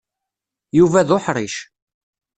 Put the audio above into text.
Yuba d uḥṛic.